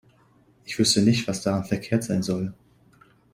Ich wüsste nicht, was daran verkehrt sein soll.